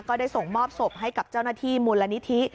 ก็ได้ส่งมอบศพให้กับเจ้าหน้าที่มูลนิธิ